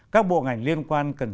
các bộ ngành liên quan cần